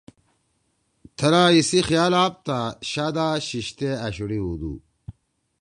تھلا ایِسی خیال آپ تا شا دا شیِشتے أشیِڑی ہودُو۔